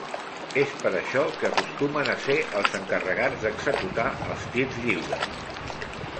És per això que acostumen a ser els encarregats d'executar els tirs lliures.